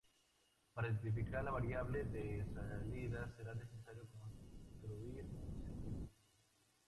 Para identificar la variable de salida será necesario construir un circuito.